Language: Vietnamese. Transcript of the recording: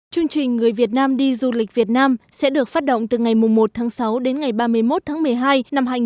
chương trình người việt nam đi du lịch việt nam sẽ được phát động từ ngày một sáu đến ngày ba mươi một một mươi hai hai nghìn hai mươi